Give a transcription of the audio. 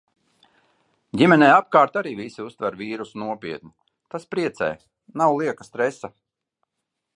Ģimenē apkārt arī visi uztver vīrusu nopietni. Tas priecē! Nav lieka stresa.